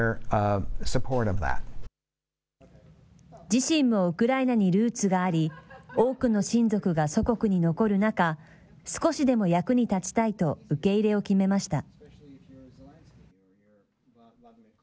自身もウクライナにルーツがあり多くの親族が祖国に残る中、少しでも役に立ちたいと受け入れを決めました。